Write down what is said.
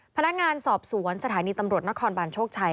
พนักงานสอบสวนสถานีตำรวจนครบานโชคชัย